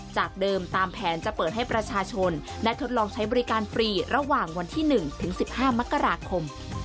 จากเดิมตามแผนจะเปิดให้ประชาชนและทดลองใช้บริการฟรีระหว่างวันที่๑ถึง๑๕มกราคม